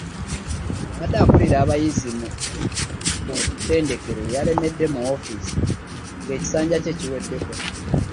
Abadde akulira abayizi ku ttendekero yalemedde mu woofiisi ng'ekisanja kye kiweddeko.